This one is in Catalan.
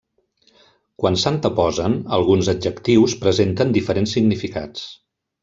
Quan s'anteposen, alguns adjectius presenten diferents significats.